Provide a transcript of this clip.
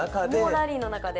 ラリーの中で。